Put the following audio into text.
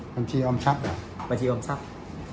บัญชีออมทรัพย์